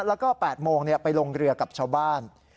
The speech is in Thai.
แล้วก็๘โมงไปลงเรือกับชาวบ้าน